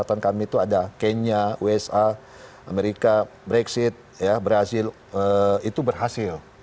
catatan kami itu ada kenya wsa amerika brexit brazil itu berhasil